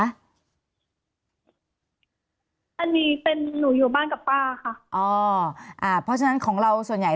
อันนี้เป็นหนูอยู่บ้านกับป้าค่ะอ๋ออ่าเพราะฉะนั้นของเราส่วนใหญ่